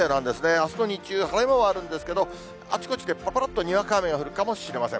あすの日中、晴れ間はあるんですけれども、あちこちでぱらぱらっと、にわか雨が降るかもしれません。